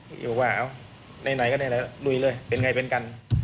ก็เลยบอกว่าเอ้าไหนก็ไหนลุยเลยเป็นไงเป็นกัน